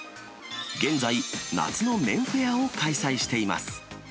現在、夏の麺フェアを開催しています。